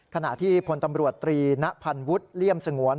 ขณะที่พลตำรวจตรีณพันวุฒิเลี่ยมสงวน